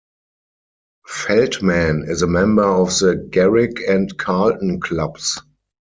Feldman is a member of the Garrick and Carlton Clubs.